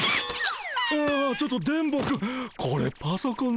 ああちょっと電ボくん